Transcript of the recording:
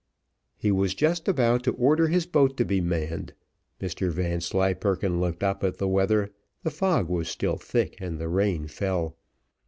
He was just about to order his boat to be manned: Mr Vanslyperken looked up at the weather the fog was still thick, and the rain fell.